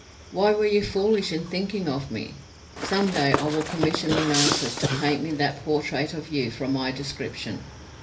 Why were you foolish in thinking of me? Some day I will commission an artist to paint me that portrait of you from my description.